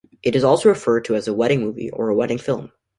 It is also referred to as a wedding movie or a wedding film.